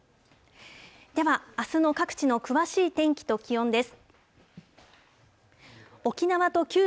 では、あすの各地の詳しい天気と気温です。